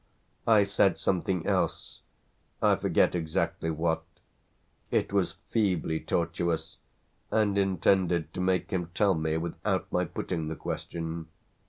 I said something else I forget exactly what; it was feebly tortuous, and intended to make him tell me without my putting the question.